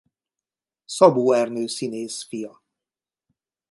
Szabó Ernő színész fia.